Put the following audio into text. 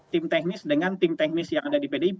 tim teknis dengan tim teknis yang ada di pdip